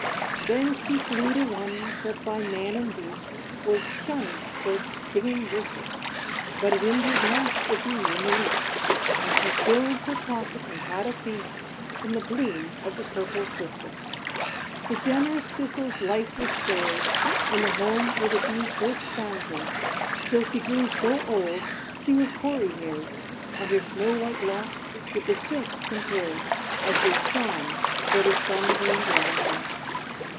Then she flew to one, that, by man and beast Was shunned for its stinging bristle; But it injured not the Bee in the least; And she filled her pocket, and had a feast, From the bloom of the purple Thistle. The generous Thistle's life was spared In the home where the Bee first found her, Till she grew so old she was hoary haired, And her snow white locks with the silk compared, As they shone where the sun beamed round her.